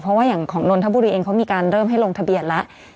เพราะว่าอย่างของนนทบุรีเองเขามีการเริ่มให้ลงทะเบียนแล้ว